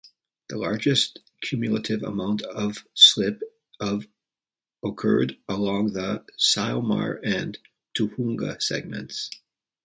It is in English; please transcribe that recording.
The largest cumulative amount of slip of occurred along the Sylmar and Tujunga segments.